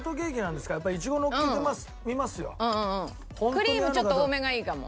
クリームちょっと多めがいいかも。